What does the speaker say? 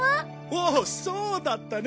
おおそうだったね！